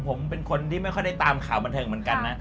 ผมเป็นคนที่ไม่ค่อยได้ตามข่าวบันเทิงเหมือนกันนะ